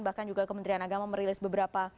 bahkan juga kementerian agama merilis beberapa